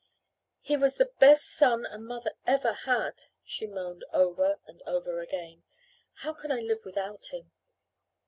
"He was the best son a mother ever had," she moaned over and over again. "How can I live without him!"